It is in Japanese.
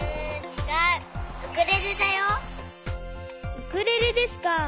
ウクレレですか。